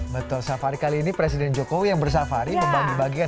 betul safari kali ini presiden jokowi yang bersafari membagi bagian